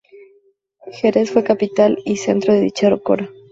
Jerez fue capital y centro de dicha cora.